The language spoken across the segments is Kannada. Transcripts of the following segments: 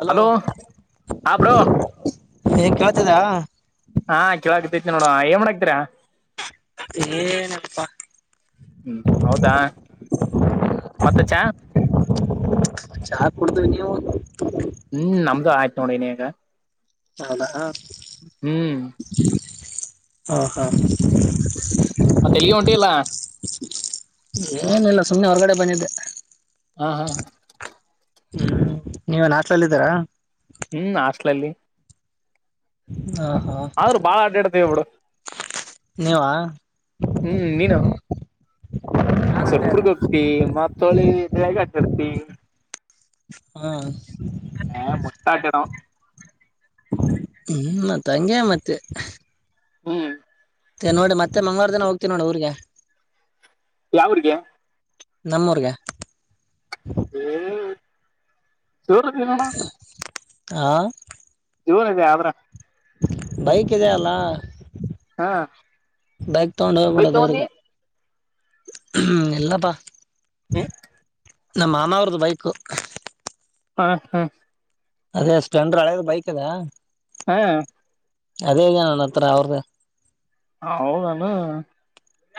ಹಲೋ ಹಾ ಬ್ರೋ ಹೇ ಕೇಳ್ತದ ನೋಡುವ ಏನ್ ಮಾಡಾಕತ್ತೀರ ಏನಿಲ್ಲಪ್ಪ ಹ್ಮ್ ಹೌದಾ ಮತ್ತೆ ಚಾ ಚಾ ಕುಡಿದವಿ ನೀವು ಹ್ಮ್ ನಮ್ದು ಆಯ್ತು ನೋಡಿನ ಈಗ ಹೌದಾ ಹ್ಮ್ ಹ ಹಾ ಮಂತೆ ಎಲ್ಲೋ ಒಂಟಿಯಲ್ಲ ಏನಿಲ್ಲ ಸುಮ್ಮನೆ ಹೊರಗಡೆ ಬಂದಿದ್ದೆ ಹ್ಮ್ ಹ್ಮ ಹ್ಮ್ ನೀವೇ ಹಾಸ್ಟಲ್ಷದಲ್ಲಿ ಇದ್ದೀರಾ ಹ್ಮ್ ಆಸ್ಲಲ್ಲಿ ಹ ಹಾ ಬಾಳ ಅಡ್ಡಾಡ್ತೀವಿ ಬಿಡು ನೀವ ಹ್ಮ್ ನೀನು ಸರ್ಪುರ್ಗ ಹೋಗ್ತಿ ಮತ್ತೊಳಿ ಬೇಗ್ ಹಾಕಿರ್ತಿ ಹಾ ಹ ಮುಟ್ಟ [unintelligible] ಹ್ಮ್ ಮತ್ತೆ ಹಂಗೆ ಮತ್ತೆ ಹ್ಮ್ ಮ ನೋಡಿ ಮತ್ತೆ ಮಂಗಳವಾರ ದಿನ ಹೋಗ್ತೀವಿ ನೋಡಿ ಊರಿಗೆ ಯಾವೂರಿಗೆ ನಮ್ಮೂರ್ಗೆ ಚೋರುಣ [unintelligible] ಹಾ ದೇವನದೆ ಆದ್ರ [unintelligible] ಬೈಕ್ ಇದದೆ ಅಲ್ಲ ಹಾ ಬೈಕ್ ತಗೊಂಡು ಬೈಕ್ ಹೋಗಬಡದು ತಗೊಂಡಿ ಅವ್ರಿಗೆ ಹ್ಮ್ ಎಲ್ಲಪ್ಪಾ ಹ್ಮ ನಮ್ ಮಾಮವ್ರದ್ದು ಬೈಕು ಹಾ ಹಾ ಅದೇ ಸ್ಪ್ಲೆಂಡರ್ ಹಳೇದ ಬೈಕ್ ಅದಾ ಹಾ ಅದೇನಣ ಅತ್ರ ಅವರದ ಹ ಹೌದಾನು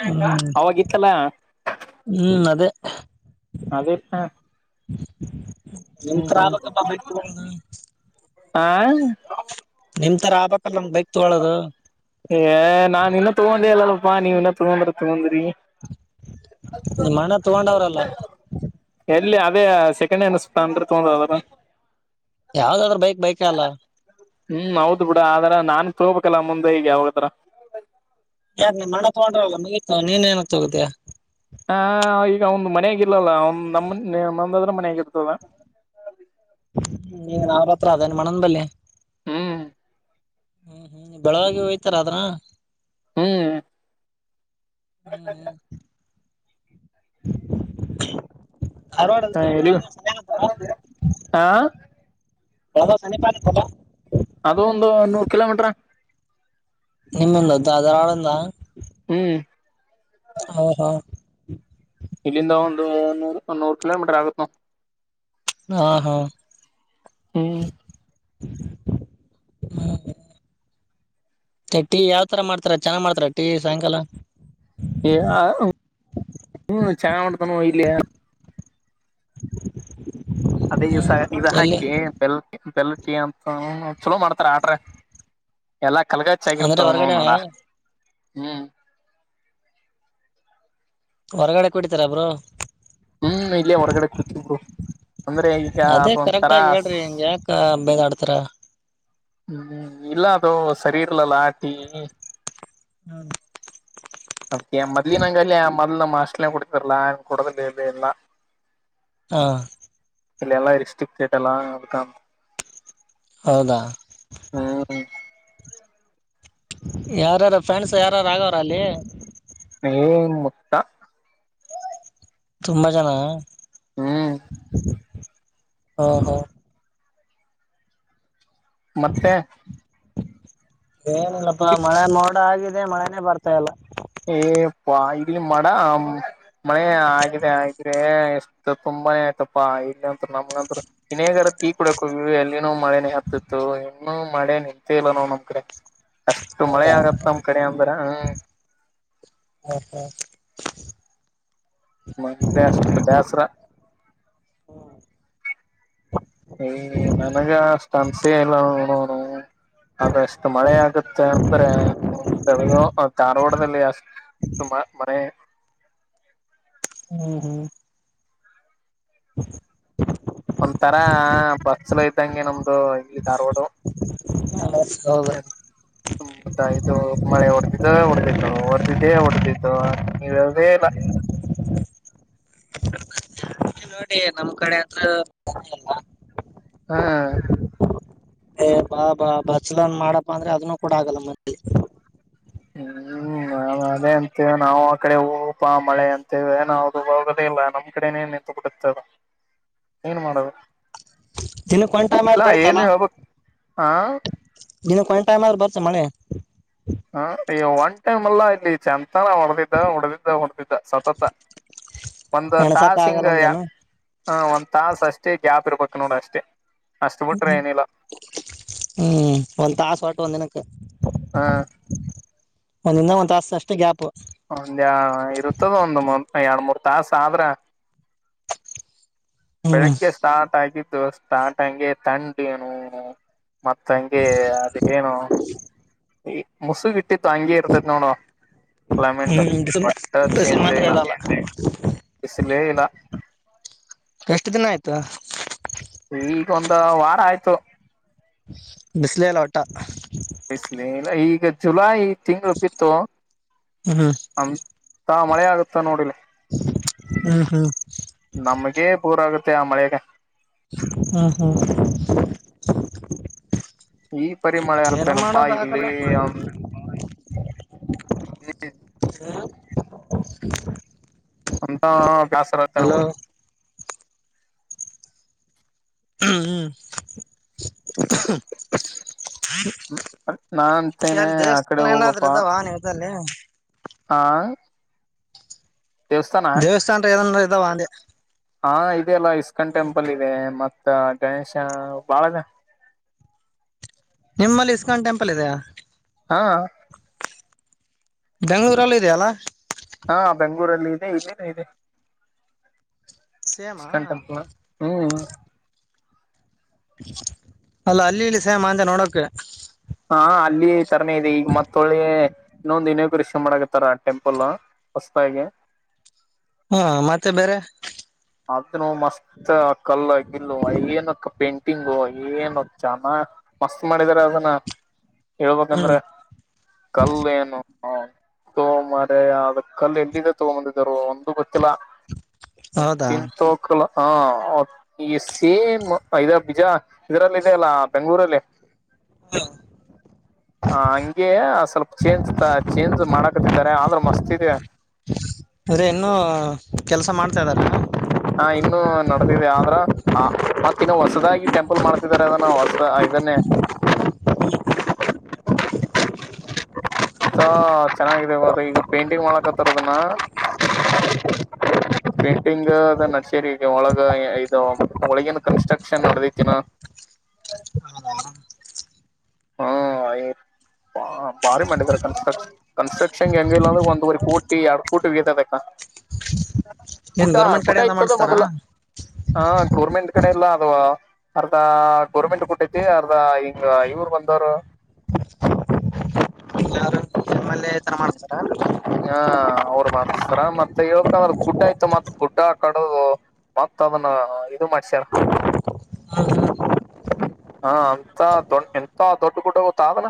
ಹ್ಮ್ ಅವಾಗಿತ್ತಲ್ಲ ಹ್ಮ್ ಅದೇ ಅದೇ ಹಾ [unintelligible] ಹ್ಮ್ ಹ್ಮ್ ಎಂತಪ್ಪ [unintelligible] ಹ್ಮ ನಿಮ್ ತರ ಆಗ್ಬೇಕು ಏ ನಾನು ಇನ್ನೂ ತೊಗೊಂಡೆಲ್ಲಲ್ಲಪ್ಪಾ ನೀವು ಇನ್ನ ತೊಗೊಂಡ್ರ ತಗೊಂಡ ನಿಮ್ಮಣ್ಣ ತಗೊಂಡವ್ರಲ್ಲ ಇಲ್ಲಿ ಅದೇ ಸೆಕೆಂಡ್ ಅನಿಸತಾ ಅಂದ್ರೆ ತೊಂದ ಅದಾರ ಯಾವ್ದಾದ್ರ ಬೈಕ್ ಬೈಕ ಅಲ್ಲ ಹ್ಮ್ ಹೌದ್ ಬಿಡ ಆದ್ರ ನಾನ್ ತೋಬೇಕಲ್ಲ ಮುಂದೆ ಈಗ ಯಾವಾಗತ್ತತ್ರ ಯಾರಾರ್ ನಿಮ್ಮಣ್ಣ ತಗೊಂಡ್ರಲ್ಲ ಮುಗತ ನೀನ್ ಏನ ತಗುದಯಾ ಹಾ ಈಗ ಮನೆಗಿಲ್ವಲ್ಲ ನಮ ನಂದಾದ್ರೆ [unintelligible] ಮನ್ಾಗಿರ್ತದ ಅಿ [unintelligible] ಹ್ಮ ನೀಗ ನಾವ ಹತ್ರ ಅದೇನ್ ಮಣನ್ ಬಲ್ಲಿಿ ಹ್ಮ್ ಹ್ಮ್ ಹ್ಮ್ ಬೆಳಗೆ ಹೋಗ್ತೀರಾ ಆದದ್ರ ಹ್ಮ್ ಹ್ಮ್ ಹ್ಮ್ [unintelligible] ಹವಾಡತಾರ ಎಲ್ಲಿ [unintelligible] ಹ ಒದ ಶನಿ ಪಾರ ಕೊದ [unintelligible] ಅದು ಒಂದು ನೂರು ಕಿಲೋಮೀಟ್ರ ನಿಮ್ಮಿಂದ್ದ ಅದ್ರ [unintelligible] ಆಳಿಂದ ಹ್ಮ್ ಓಹೋ ಇಲ್ಲಿಂದ ಒಂದು ನೂ ನೂರು ಕಿಲೋಮೀಟರ್ ಆಗತ್ತು ಹಾ ಹಾ ಹ್ಮ್ ಹ್ಮ ಟೀ ಯಾವ್ತರ ಮಾಡ್ತಾರ ಚೆನ್ನ ಮಾಡ್ತಾರ ಟೀ ಸಾಯಂಕಾಲ ಹ ಚ ಮಾಡಡ ತನ ಹಯಲಯ [unintelligible] ಅದೇ ಈ ಹ್ಮ್ ಸ ಇದು ಎಲ್ಲಿ ಹಾಕಿ ಬೆಲ್ [unintelligible] ಬೆಲಕಿ [unintelligible] ಅಂತ ಚಲೋ ಮಾಡ್ತಾರ ಆಟ್ರ ಎಲ್ಲ ಕಲಗಚ್ಚ ಅಂದ್ರೆ ಆಗಿರ್ತಾವ ನೋ ಹೊರಗಡೆ ನೋಡ ಹ್ಮ್ ಹೊರಗಡೆ ಕುಡಿತಾರಬ್ರು ಹ್ಮ್ ಇಲ್ಲೇ ಹೊರಗಡೆ ಕುಡ್ತಿದ್ರು ಅಂದ್ರೆ ಈಗ ಅದೇ ಕರೆಕ್ಟ್ ಅದೊಂತರ ಆಗಿ ಹೇಳ್ರಿ ಹಿಂಗ ಯಾಕ ಬೇದಾಡ್ತಾರ ಹ್ಮ್ ಇಲ್ಲ ಅದು ಸರಿ ಇರಲ್ಲ ಟೀ ಹ್ಮ ಅದ ಮದನಿಂಗಲ್ನಂಗಲ್ಲಿ [unintelligible] ಆ ಮದ್ಲು ನಮ್ಮ ಅಷ್ಟಲೇ ಕುಡತಿರ್ಲಾ ಕೊಡದಿಲ್ಲ ಇ ಎಲ್ಲ ಹಾ ಇಲ್ಲ ಎಲ್ಲ ರಿಸ್ಟ್ರಿಕ್ ಇರಲ್ಲ ಅದಕ್ಕ ಹೌದಾ ಯಾರ್ಯಾರ ಫ್ರೆಂಡ್ಸ್ ಯಾರಾರ ಆಗವ್ರ ಅಲ್ಲಿ ಓ ಮುತ್ತ ತುಂಬಾ ಜನ ಹ್ಮ್ ಹಾ ಹ ಮತ್ತೆ ಏನಿಲ್ಲಪ್ಪಾ ಮಳೆ ಮೋಡ ಆಗಿದೆ ಮಳೆನೇ ಬರ್ತಾಯಲ್ಲ ಏಪ್ಪ ಇಲ್ಲಿ ಮಾಡ ಮಳೆ ಆಗಿದೆ ಆಗಿದೆ ಎಷ್ಟ ತುಂಬಾನೇ ಆಯ್ತಪ್ಪಾ ಇಲ್ಲಂತೂ ನಮ್ಗಂತರು ಇನೇಗಾರ [unintelligible] ಟೀ ಕುಡಿಯಕ್ಕೆ ಎಲ್ಲಿನೂ ಮಳೆನೇ ಹತ್ತತ್ ದು ಇನ್ನುೂ ಮಳೆ ನಿಂತೇ ಇಲ್ಲ ನೋ್ ನಮಕ್ರೆ ಅಷ್ಟು ಮಳೆ ಹೌದಾ ಆಗಪ್ಪ ನಮ ಕಡ ಅಂಬರ ಹ ಹ ಹಾ ಮತ್ತಷ್ಟು ಬೇಸರ [unintelligible] ನನಗೆ ಅಷ್ಟು ಅನ್ಸ ಇಲ್ಲ ನೋ ಅಷ್ಟು ಮಳೆ ಆಗುತ್ತೆ ಅಂದ್ರೆ ಬೆಳಗಾಂ ಧಾರವಾಡದಲ್ಲಿ ಅಷ್ಟ ಮನೆ ಹ್ಮ್ ಹ್ಮ್ ಹ ಒಂತರಾ ಬಸ್ಲು ಇದ್ದಂಗೆ ನಮ್ದು ಇಂಗಾರೋಡು. [inaudible] ಹೌದ. ಇದು ಮಳೆ ಹೊಡೆದಿದ್ದ ಹೊಡೆದಿತ್ತು ಹೊಡೆದಿದ್ದೇ ಹೊಡೆದಿತ್ತು ನೀವೆೇ ಇಲ್ಲ. [inaudible] ನೋಡಿ ನಮ್ ಕಡೆ ಹತ್ರಲ್ಲ. ಹ್ಮ್ ಏ ಬಾ ಬಾ ಬಸಲನ್ ಮಾಡಪ್ಪ ಅಂದ್ರೆ ಅದನ್ನು ಕೂಡ ಆಗಲ್ಲ ಮತ್ತೆ. ಹ್ಮ. ನ ಅದೇ ಅಂತ ನಾವು ಆ ಕಡೆ ಹೂಪ ಮಳೆ ಅಂತೇವೆ ನದು ಹೋಗದೇ ಇಲ್ಲ ನಮ್ ಕಡೆನೇನ್. ಗತ್ತ ಏನ್ ಮಾಡದು. ದಿನ ಕಂಟೈಮಲ್ಲಿ ಬರ್ತಲ್ಲ ಹೇಳ್ಬೇಕ್ ಹ ದಿನ ಕಂಟೈಮ್ ಬರ್ತ. ಮನೆ. ಹ ಈ ಒನ್ ಟೈಮ್ ಅಲ್ಲ ಇಲ್ಲಿ ಚಪ. ನ ಹೊಡೆದಿದ್ದ ಹೊಡೆದಿದ್ದ ಹೊಡೆದಿದ್ದ ಸತತ. ಒಂದ ಎಣಸಕ್ ತಾಸ ಹಿಂಗ ಆಗಲ್ಲ ಅಂದೇನ ಹ ಒಂದ್ ತಾಸ ಅಷ್ಟೇ ಗ್ಯಾಪ್ ಇರ್ಬೇಕ ನೋಡ ಅಷ್ಟೇ. ಅಷ್ಟ ಹ್ಮ್ ಬಿಟ್ರೆ ಹ್ಮ್ ಏನಿಲ್ಲ ಹ್ಮ್ ಒಂದ್ ತಾಸ ಹೊಟ್ಟು ಒಂದಿನಕ್ಕೆ. ಹಾ. ಒಂದಿನ ಒಂದ್ ತಾಸ ಅಷ್ಟು ಗ್ಯಾಪ್. ಒಂದ್ಯಾ ಇರುತ್ತದ ಒಂದು ಎರಡ್ ಮೂರ್ ತಾಸ ಆದ್ರ. [inaudible] ಹ್ಮ್ ಬೆಳಿಗ್ಗೆ ಸ್ಟಾರ್ಟ್ ಆಗಿದ್ದು ಸ್ಟಾರ್ಟ್ ಹಂಗೆ ತಂಡ್ ಏನು. ಮತ್ತ ಹಂಗೆ ಅದ. ಏನು ಈ ಮುಸುಗ ಇಟ್ಟಿತ್ತು ಹಂಗಗೆ ಇರ್ತತಿ ನೋಡು. ಕ್ಲೈಮೇಟ್ ಹ್ಮ್ ಮೊಟ್ಟ ಬಿಸಿಲು ಚೇಂಜ್ ಮಾತ್ರ ಆಲ್ಲ. ಇರಲ್ಲ ಲೀಲಾ. ಎಷ್ಟು ದಿನ ಆಯ್ತು. ಈಗ ಒಂದ್ ವಾರ ಆಯ್ತು. ಬಿಸ್ಲೆಯಿಲ್ಲ ಒಟ್ಟ. ಬಿಸ್ಲಿ ಇಲ್ಲ ಈಗ ಜುಲೈ ತಿಂಗಳು ಬಿತ್ತು. ಹ್ಮ್ ಅಂತ ಮಳೆ ಆಗುತ್ತ ನೋಡಿಲಿ. ಹ್ಮ್ ಹ್ಮ್ ನಮ್ಗೆ ಪೂರ ಆಗುತ್ತೆ ಆ ಮಳೆಗೆ. ಹಾ ಹಾ. ಈ ಪರಿ ಮಳೆ ಇರುತ್ತೇನಪ್ಪಾ ಇಲ್ಲಿ. ಆಗಲ್ಲ. [unintelligible] [inaudible] ಅಂತ. ಆಗ್ತ ಹಲೋ. ನಮಗೆ ಹ್ಮ. ನಾ ಅಂತೇನೆ ಎಲ್ಲಿ ಆ ಕಡೆ ದೇವಸ್ಥಾನ ಏನಾದ್ರೂ ಹೋಗಪ್ಪಾ. ಇದಾವ ನಿಮ್ಮಲ್ಲಿ ಹಾ ದೇವಸ್ಥಾನನ್ ಏದನ್ ಇದ್ದಾವ ಅಂದೆ. ಹಾ ಇದೆ ಅಲ್ಲ ಇಸ್ಕನ್ ಟೆಂಪಲ್ ಇದೆ ಮತ್ತೆ. ಮತ್ ಗಣೇಶ ಬಾಳಿದೆ. ನಿಮ್ಮಲ್ಲಿ ಇಸ್ಕಾನ್ ಟೆಂಪಲ್ ಇದೆಯಾ. ಹಾ. ಬೆಂಗಳೂರಲ್ಲಿ ಇದೆಯಲ್ಲ. ಹಾ ಬೆಂಗ್ಗಳೂರಲ್ಲಿ ಇದೆ ಇದ ಇದೆ. ಸೇಮಾ ಇಸ್ಕಾನ್ ಟೆಂಪಲ್ ಹೂ. ಅಲ್ಲ ಅಲ್ಲಿ ಇಲ್ಲಿ ಸೇಮ ಅಂದೇ ನೋಡಕ್. ಹಾ ಅಲ್ಲಿ ತರನೇ ಇದೆ ಈಗ ಮತ್ತಳೆ ಇನ್ನೊಂದು ಇನೇಕರಿಷ ಮಾಡಕತ್ತಾರ ಟೆಂಪಲ್. ಹೊಸದಾಗೆ - ಹಾ ಮತ್ತೆ ಬೇರೆ - ಅದನು ಮಸ್ತ್ ಕಲ್ಲ ಗಿಲ್ಲು ಏನಕ್ಕ ಪೇಂಟಿಂಗು ಏನು ಚನ ಮಸ್ತ್ ಮಾಡಿದ್ದಾರೆ ಅದನ್ನ ಹ್ಮ್ ಹೇಳ್ಬೇಕಂದ್ರೆ ಕಲ್ಲು ಏನು ಥು ಮಾರಾಯ ಅದ ಕಲ್ಲ ಎಲ್ಲಿದ್ದ ತಗೊಂದ ಬಂದಿದ್ದಾರೋ ಒಂದು ಗೊತ್ತಿಲ್ಲ. ಹೌದಾ ತಿನ್ ತೋ ಕಲ್ಲ ಹಾ ಈ ಸೇಮ್ ಇದ ಬಿಜ ಇದರಲ್ಲಿ ಇದೆಯಲ್ಲ ಬೆಂಗಳೂರಲ್ಲಿ. [unintelligible] ಹ ಹಂಗೆ ಸ್ವಲ್ಪ ಚೇಂಜ್ ಚೇಂಜ್ ಮಾಡಕತ್ತಿದ್ದಾರೆ ಆದ್ರ ಮಸ್ತಿದೆ. ಅರೆ ಇನ್ನು ಕೆಲ್ಸ ಮಾಡ್ತಾ ಅದಾರ. ಹಾ ಇನ್ನು ನಡೆದಿದೆ ಆದ್ರ ಮತ್ತ ಇನ್ನು ಹೊಸ ಹೊಸದಾಗಿ ಟೆಂಪಲ್ ಮಾಡ್ತಿದ್ದಾರೆ ಅದನ್ನು ಹೊಸ ಇದನ್ನೇ [unintelligible] ತೂ ಚೆನ್ನಾಗಿದೆ ಈಗ ಪೇಂಟಿಂಗ್ ಮಾಡಕತ್ತಾರ ಅದನ್ನ. ಪೇಂಟಿಂಗ್ ಅದ ನಡಸಿರ ಈಗ ಒಳಗ ಇದು ಒಳಗಿನ್ ಕನ್ಸ್ಟ್ರಕ್ಷನ್ ನಡದೈತಿ ಇನ್ನ [unintelligible] ಹಾ ಆಯ ಹಾ ಭಾರಿ ಮಾಡಿದ್ದಾರೆ ಕನ್ಸ್ಕ್ಷನ್ ಕನ್ಸ್ಟ್ರಕ್ಷನ್ ಹೆಂಗಿಲ್ಲ ಅಂದ್ರೆ ಒಂದುವರೆ ಕೋಟಿ ಎರಡ್ ಕೋಟಿ ಹೊಗೆದ ಲೆಕ್ಕ. ಏನ್ ಗುಟ ಗೌರ್ಮೆಂಟ್ ಗುಟ ಕಡೆಯಿಂದ ಇಕ್ಕದ ಮಾಡ್ಸ್ತಾರಾ ಮೊದಲ. ಹ ಗೌರ್ಮೆಂಟ್ ಕಡೆ ಇಲ್ಲ ಅದು ಅರ್ಧ ಗೋರ್ಮೆಂಟ್ ಕೊಟ್ಟತಿ ಅರ್ಧ ಹಿಂಗ ಇವ್ರ ಬಂದು ಸರ ಯಾರು [inaudible] ಮಾಡ್ಸರ ಮತ್ತ ಹೇಳ್ಬೇಕಂದ್ರೆ ಗುಡ್ಡ ಆಯ್ತು ಮತ್ ಗುಡ್ಡ ಕಡೂ ಮತ್ತ ಅದನ್ನ ಇದು ಮಾಡ್ಸ್ಯಾರ್. ಹ್ಮ ಹಾ ಅಂತ ದೊಡ್ಡ ಹೆಂತಾ ದೊಡ್ಡ ಗುಡ್ಡ ಗೊತ್ತಾದನ.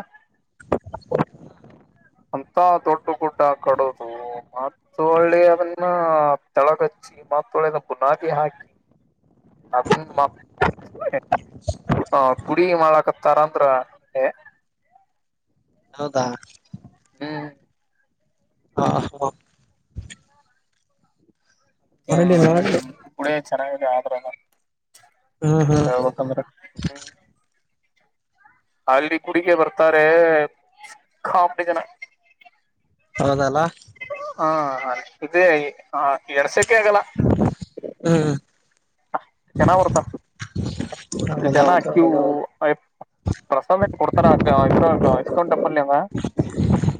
ಹೆಂತಾ ದೊಡ್ಡ ಗುಡ್ಡ ಕಡೋದು ಮತ್ತ ಹೊಳ್ಳಿ ಅದನ್ನ ತೆಲಗಹಚ್ಚಿ. ಮತ್ತ ಹೊಳ್ಳಿ ಅದ ಬುನಾದಿ ಹಾಕಿ [unintelligible] ಹ ಗುಡಿ ಮಾಡಾಕತ್ತರ ಅಂದ್ರ ಹೇ. ಹೌದಾ ಹ್ಮ್ ಹ ನೋಡಿ ನೋಡಿ ಹ್ಮ ಗುಡಿ ಚೆನ್ನಾಗಿದೆ ಆದ್ರ ಹ್ಮ್ ಹ್ಮ್ ಹೇಳ್ಬೇಕಂದ್ರ. ಹ್ಮ್ ಅಲ್ಲಿ ಗುಡಿಗೆ ಬರ್ತಾರೆ ಕಾಮಿಡಿ ಜನಾ ಹೌದಲ್ಲ. ಹಾ ಇದು ಎಡ್ಸಕೆ ಆಗಲ್ಲ. ಹ್ಮ್ [inaudible] [unintelligible] ಹೌದೌದು ಪ್ರಸಾದ ಕೊಡ್ತಾರ ಇದ್ರ ಇಸ್ಕಾನ್ ಟೆಂಪ್ಲನ್ಯಾಗ.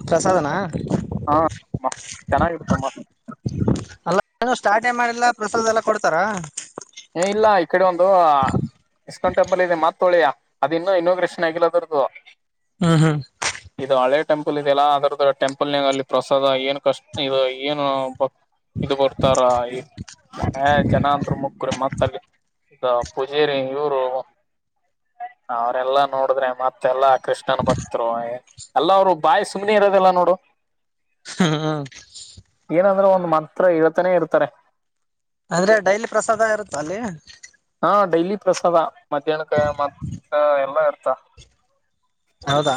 ಪ್ರಸಾದನಾ ಮಸ್ತ್ ಚೆನ್ನಾಗಿರುತ್ತ ಮಸ್ತ್. ಅಲ್ಲ ಸ್ಟಾರ್ಟೆ ಮಾಡಿಲ್ಲ ಪ್ರಸಾದ ಎಲ್ಲ ಕೊಡ್ತಾರಾ? ಏ ಇಲ್ಲ ಈ ಕಡೆ ಒಂದು ಇಸ್ಕಾನ್ ಟೆಂಪಲ್ ಇದೆ ಮತ್ತ ಹೊಳ್ಳಿ ಅದ ಇನ್ನು ಇನೋಗ್ರೇಷನ್ ಆಗಿಲ್ಲ ಆದ್ರದು. ಹು ಹು ಟೆಂಪಲ್ ಇದೆ ಅಲ್ಲ ಅದ್ರದ ಟೆಂಪಲ್ ಅಲ್ಲಿ ಪ್ರಸಾದ ಏನು ಕಷ್ಟ ಇದು ಏನು ಇದು ಬರ್ತಾರ ಜನ ಅಂತ್ರು ಮುಕ್ರಿ ಮತ್ತ ಅಲ್ಲಿ ಪೂಜೇರಿ ಇವ್ರು ಅವ್ರೆಲ್ಲಾ ನೋಡಿದ್ರೆ ಮತ್ತ ಎಲ್ಲಾ ಕೃಷ್ಣನ ಭಕ್ತರು ಎಲ್ಲ ಅವರು ಬಾಯಿ ಸುಮ್ನೆ ಇರೋದಿಲ್ಲ ನೋಡು. ಹಾ ಏನಾದ್ರೂ ಒಂದ್ ಮಂತ್ರ ಹೇಳ್ತನೇ ಇರ್ತಾರೆ. ಆದ್ರೆ ಡೈಲಿ ಪ್ರಸಾದ ಇರುತ್ತ ಅಲ್ಲಿ? ಹಾ ಡೈಲಿ ಪ್ರಸಾದ ಮಧ್ಯಾಹ್ನಕ್ಕೆ ಮತ್ತ ಎಲ್ಲಾ ಇರ್ತಾವ್. ಹೌದಾ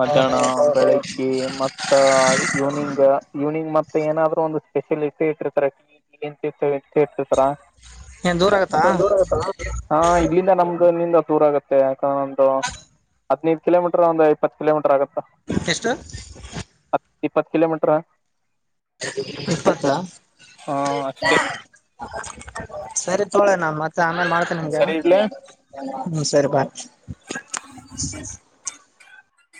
ಮಧ್ಯಾಹ್ನ ಬೆಳಗ್ಗೆ ಮತ್ತ ಇವ್ನಿಂಗು. ಈವ್ನಿಂಗ್ ಮತ್ತೆ ಏನಾದ್ರು ಒಂದು ಸ್ಪೆಷಲ್ ಇದ್ದೇ ಇಟ್ಟಿರ್ತಾರ ಏನ್ ದೂರ ಆಗತ್ತಾ [unintelligible] ಆ ಹಾ ಇಲ್ಲಿಂದ ನಮ್ದ ಇಲ್ಲಿಂದ ದೂರ ಆಗುತ್ತೆ ಯಾಕಂದೊಂದು ಹದ್ನೈದು ಕಿಲೋಮೀಟರ್ ಒಂದು ಇಪ್ಪತ್ತು ಕಿಲೋಮೀಟರ್ ಆಗುತ್ತಾ. ಎಷ್ಟು? ಇಪ್ಪತ್ತ್ ಕಿಲೋಮೀಟರು. ಇಪ್ಪತ್ತ. ಹ ಅಷ್ಟೇ ಸರಿ ತೊಳೀ ಮತ್ತೆ ಆಮೇಲೆ ಮಾಡ್ತೀನ್ ನಿಮ್ಗೆ. ಸರಿ ಇಡ್ಲೆ ಹ್ಮ್ ಸರಿ ಬಾಯ್.